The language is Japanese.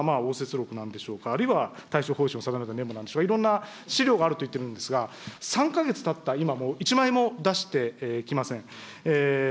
いろんな応接録、あるいは対処方針を定めたメモなんでしょうか、いろんな資料があると言ってるんですが、３か月たった今も１枚も出してきません。